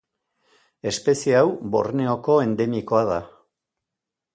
Espezie hau Borneoko endemikoa da.